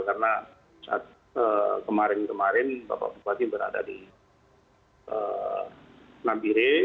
karena kemarin kemarin bapak teguh haji berada di nambire